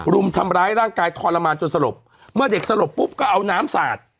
รุมทำร้ายร่างกายทรมานจนสลบเมื่อเด็กสลบปุ๊บก็เอาน้ำสาด